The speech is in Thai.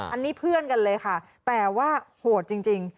อันนี้เพื่อนกันเลยค่ะแต่ว่าโหดจริง